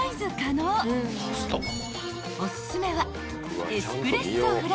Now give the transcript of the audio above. ［おすすめは］